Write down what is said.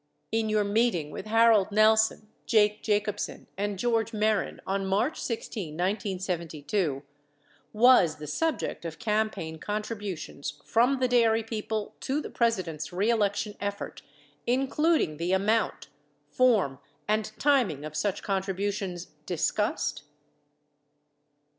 In your meeting with Harold Nelson, Jake Jacobsen and George Mehren on March 16, 1972, was the subject of campaign contributions from the dairy people to the Presi dent's reelection effort, including the amount, form and tim ing of such contributions, discussed